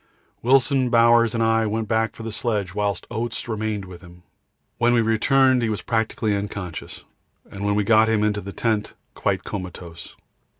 Wilson, Bowers, and I went back for the sledge, whilst Oates remained with him. When we returned he was practically unconscious, and when we got him into the tent quite comatose.